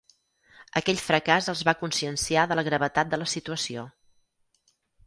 Aquell fracàs els va conscienciar de la gravetat de la situació.